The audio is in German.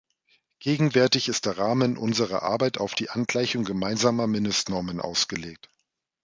Gegenwärtig ist der Rahmen unserer Arbeit auf die Angleichung gemeinsamer Mindestnormen ausgelegt.